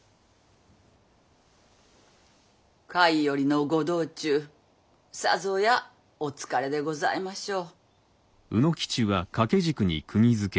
甲斐よりの御道中さぞやお疲れでございましょう。